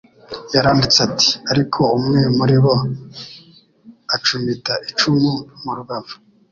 Yaranditse ati : "Ariko umwe muri bo acumita icumu mu rubavu,